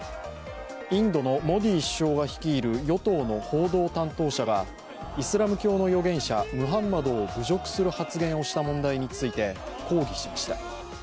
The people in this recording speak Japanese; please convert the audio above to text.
インドのモディ首相が率いる与党の報道担当者がイスラム教の預言者ムハンマドを侮辱する発言をした問題について抗議しました。